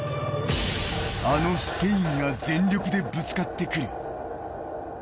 あのスペインが全力でぶつかってくる。